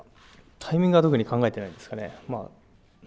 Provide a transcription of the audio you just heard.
タイミングは特に考えてないですかね。